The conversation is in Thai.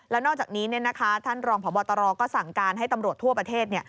แล้วนอกจากนี้ท่านรองพบตรก็สั่งการให้ตำรวจทั่วประเทศ